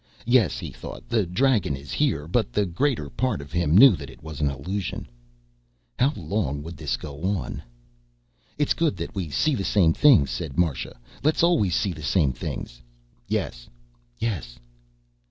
Yes, he thought, the dragon is here. But the greater part of him knew that it was an illusion. How long would this go on? "It's good that we see the same things," said Marsha. "Let's always see the same things...." "Yes." "Yes!"